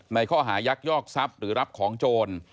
ในข้อหายักยอกทรัพย์หรือรับของโจร